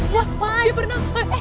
ya dia pernah